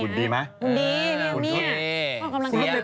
คุณดีไหมคุณดีนี่ออกกำลังกายเตียง